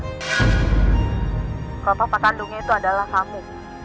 kalau bapak kandungnya itu adalah kamu